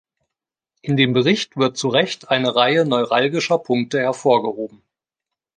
In dem Bericht wird zu Recht eine Reihe neuralgischer Punkte hervorgehoben.